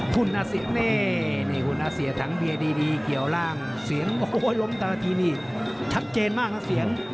คุณอาเซียเน่คุณอาเซียทั้งเบียดีเกี่ยวร่างเสียงล้มตลอดทีนี้ชัดเจนมากนะเสียง